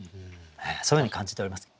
そういうふうに感じております。